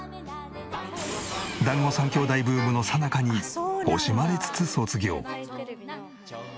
『だんご３兄弟』ブームのさなかに惜しまれつつ卒業。